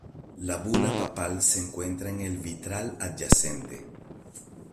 La bula papal se encuentra en el vitral adyacente.